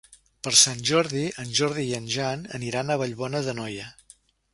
Per Sant Jordi en Jordi i en Jan aniran a Vallbona d'Anoia.